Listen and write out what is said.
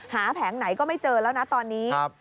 แผงไหนก็ไม่เจอแล้วนะตอนนี้